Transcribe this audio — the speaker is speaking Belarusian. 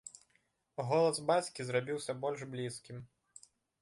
Голас бацькі зрабіўся больш блізкім.